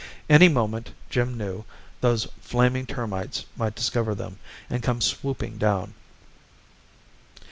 Any moment, Jim knew, those flaming termites might discover them, and come swooping down.